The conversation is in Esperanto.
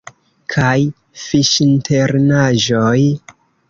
Kaj fiŝinternaĵoj!